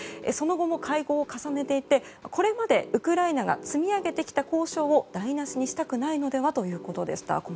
その後も会合を重ねていてこれまでウクライナが積み上げてきた交渉を台無しにしたくないのではということでした。